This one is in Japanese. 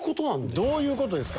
どういう事ですか。